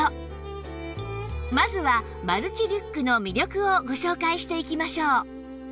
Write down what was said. まずはマルチリュックの魅力をご紹介していきましょう